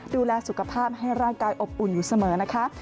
ดูแลสุขภาพให้ร่างกายอบอุ่นอยู่เสมอนะคะ